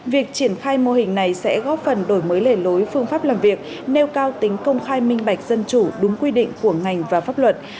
việc triển khai mô hình này sẽ góp phần đổi mới lề lối phương pháp làm việc nêu cao tính công khai minh bạch dân chủ đúng quy định của ngành và pháp luật